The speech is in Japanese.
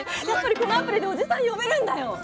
やっぱりこのアプリでおじさん呼べるんだよ。